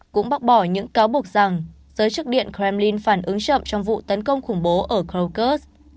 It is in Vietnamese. cũng bác bỏ những cáo buộc rằng giới chức điện kremlin phản ứng chậm trong vụ tấn công khủng bố ở krokus